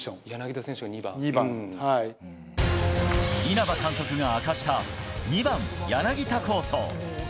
稲葉監督が明かした２番、柳田構想。